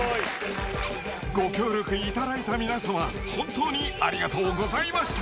ご協力いただいた皆様、本当にありがとうございました。